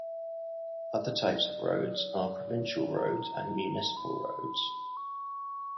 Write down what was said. Other types of roads are provincial roads and municipal roads.